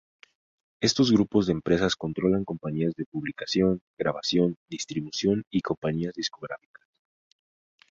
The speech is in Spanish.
Estos grupos de empresas controlan compañías de publicación, grabación, distribución y compañías discográficas.